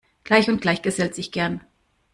Gleich und Gleich gesellt sich gern.